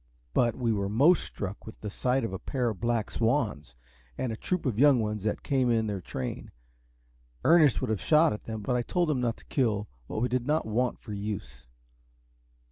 But we were most struck with the sight of a pair of black swans, and a troop of young ones that came in their train. Ernest would have shot at them, but I told him not to kill what we did not want for use.